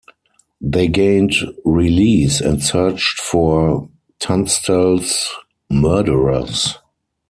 They gained release and searched for Tunstall's murderers.